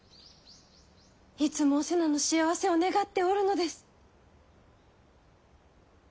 いつもお瀬名の幸せを願っておるのです。